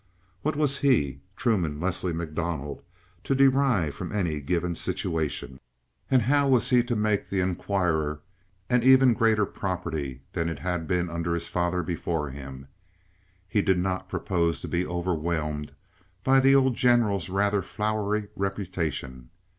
What was he, Truman Leslie MacDonald, to derive from any given situation, and how was he to make the Inquirer an even greater property than it had been under his father before him? He did not propose to be overwhelmed by the old General's rather flowery reputation.